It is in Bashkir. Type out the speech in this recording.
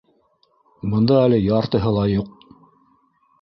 Бында әле яртыһы ла юҡ.